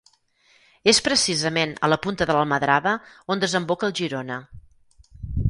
És precisament a la punta de l'Almadrava on desemboca el Girona.